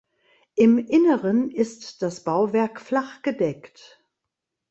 Im Inneren ist das Bauwerk flachgedeckt.